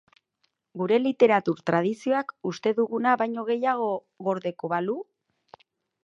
Gure literatur tradizioak uste duguna baino gehiago gordeko balu?